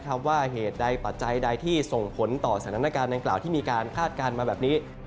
ว่าเหตุใดปัจจัยใดที่ส่งผลต่อสถานการณ์ดังกล่าวที่มีการคาดการณ์มาแบบนี้